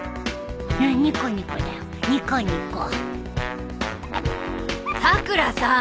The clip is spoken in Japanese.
ニコニコだよニコニコさくらさん。